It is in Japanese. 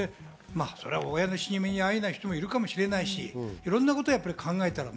親の死に目に会えない人もいるかもしれないし、いろんなことを考える。